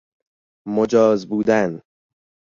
مجاز بودن